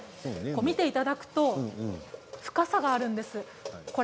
見ていただくと深さがあるんです。